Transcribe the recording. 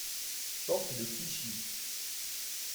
Porte de Clichy.